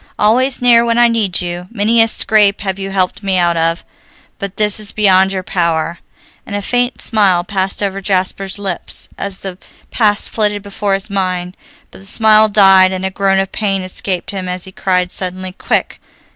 "Always near when I need you. Many a scrape have you helped me out of, but this is beyond your power," and a faint smile passed over Jasper's lips as the past flitted before his mind. But the smile died, and a groan of pain escaped him as he cried suddenly, "Quick!